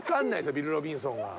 ビル・ロビンソンが。